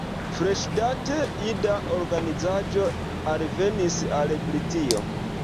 Freŝdate, ida organizaĵo alvenis al Britio.